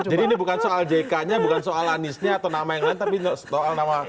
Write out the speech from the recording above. jadi ini bukan soal jk nya bukan soal anisnya atau nama yang lain tapi soal nama ahy